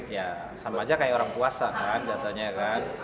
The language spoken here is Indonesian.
ya sama aja kayak orang puasa kan datanya kan